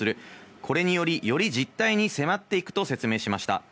これにより、より実態に迫っていくと説明しました。